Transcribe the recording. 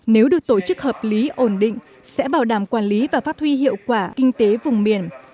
nếu được tổ chức hợp lý ổn định sẽ bảo đảm quản lý và phát huy hiệu quả kinh tế vùng miền